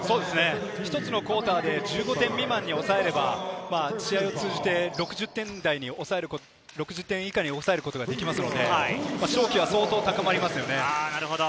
１つのクオーターで１５点未満に抑えれば、試合を通じて６０点以下に抑えることができますので、勝機は相当高まりますよね。